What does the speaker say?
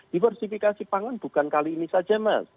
diversifikasi pangan bukan kali ini saja mas